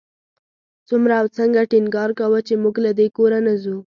څومره او څنګه ټینګار کاوه چې موږ له دې کوره نه ځو.